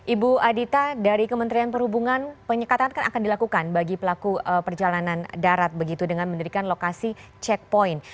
ibu adita dari kementerian perhubungan penyekatan kan akan dilakukan bagi pelaku perjalanan darat begitu dengan mendirikan lokasi checkpoint